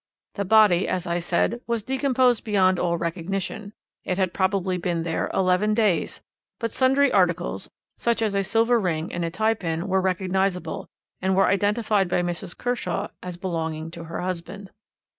The body, as I said, was decomposed beyond all recognition; it had probably been there eleven days, but sundry articles, such as a silver ring and a tie pin, were recognizable, and were identified by Mrs. Kershaw as belonging to her husband.